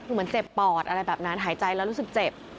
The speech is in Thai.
คือเหมือนเจ็บปอดอะไรแบบนั้นหายใจแล้วรู้สึกเจ็บ